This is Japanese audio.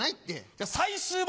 じゃあ最終問題。